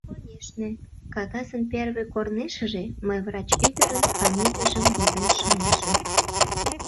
Конешне, кагазын первый корнешыже мый врач ӱдырын фамилийжым возен шындышым.